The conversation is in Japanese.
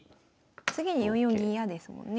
次に４四銀嫌ですもんね。